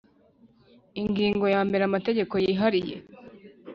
Ingingo ya mbere Amategeko yihariye